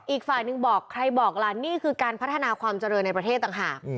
อีกฝ่ายหนึ่งบอกใครบอกล่ะนี่คือการพัฒนาความเจริญในประเทศต่างหาก